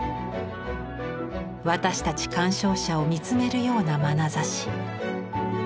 私たち鑑賞者を見つめるようなまなざし。